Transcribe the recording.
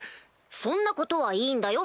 そんなことはいいんだよ